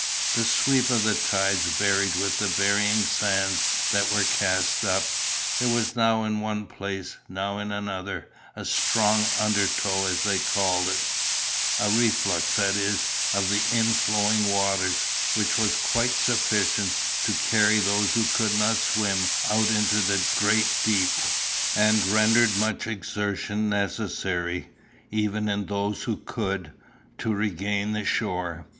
The sweep of the tides varied with the varying sands that were cast up. There was now in one place, now in another, a strong undertow, as they called it a reflux, that is, of the inflowing waters, which was quite sufficient to carry those who could not swim out into the great deep, and rendered much exertion necessary, even in those who could, to regain the shore.